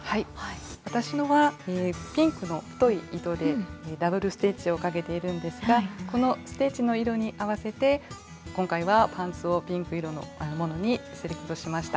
私のはピンクの太い糸でダブルステッチをかけているんですがこのステッチの色に合わせて今回はパンツをピンク色のものにセレクトしました。